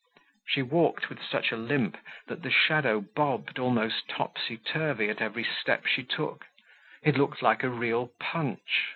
She walked with such a limp that the shadow bobbed almost topsy turvy at every step she took; it looked like a real Punch!